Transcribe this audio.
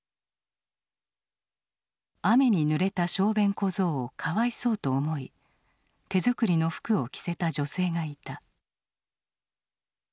雨にぬれた小便小僧をかわいそうと思い手作りの服を着せた女性がいた。